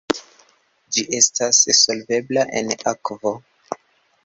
Ĝi estas solvebla en akvo.